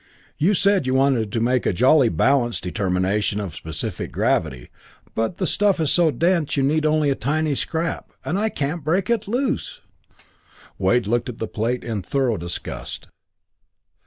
You said you wanted to make a Jolly balance determination of the specific gravity, but the stuff is so dense you'd need only a tiny scrap and I can't break it loose!" Wade looked at the plate in thorough disgust.